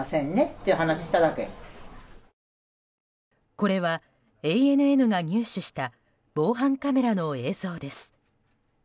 これはＡＮＮが入手した防犯カメラの映像です。